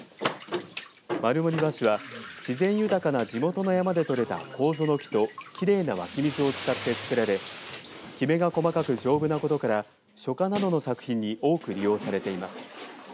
丸森和紙は自然豊かな地元の山で取れたこうぞの木ときれいな湧き水を使って作られきめが細かく丈夫なことから書家などの作品に多く利用されています。